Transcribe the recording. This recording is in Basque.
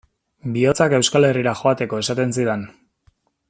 Bihotzak Euskal Herrira joateko esaten zidan.